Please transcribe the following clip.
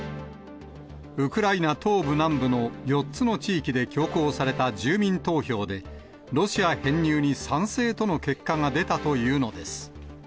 ウクライナ東部、南部の４つの地域で強行された住民投票で、ロシア編入に賛成との結果が出たというのです。